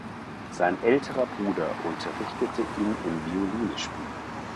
Sein älterer Bruder unterrichtete ihn im Violine Spielen.